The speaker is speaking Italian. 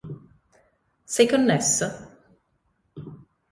Sei connesso???